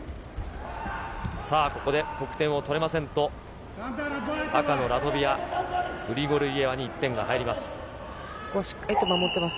さあ、ここで得点を取れませんと、赤のラトビア、グリゴルイエワに１点が入ります。